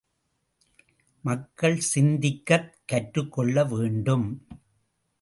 மக்கள் சிந்திக்கக் கற்றக்கொள்ளவேண்டும்.